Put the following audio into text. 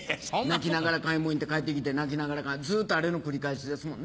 泣きながら買いもん行って帰ってきて泣きながらずっとあれの繰り返しですもんね。